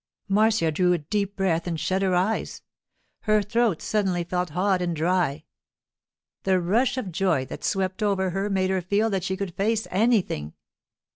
Marcia drew a deep breath and shut her eyes. Her throat suddenly felt hot and dry. The rush of joy that swept over her made her feel that she could face anything.